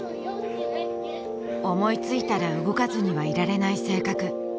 思いついたら動かずにはいられない性格